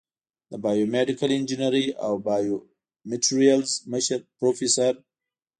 د بایو میډیکل انجینرۍ او بایومیټریلز مشر پروفیسر